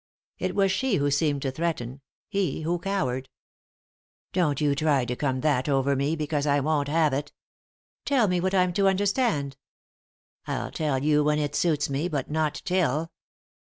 It was she who seemed to threaten, he who cowered. "Don't you try to come that over me, because I won't have it" "Tell me what I'm to understand." " I'll tell you when it suits me, but not till."